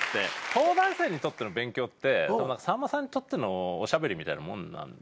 東大生にとっての勉強ってさんまさんにとってのおしゃべりみたいなもんなんで。